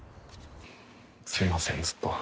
すいませんずっと。